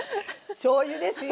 しょうゆですよ。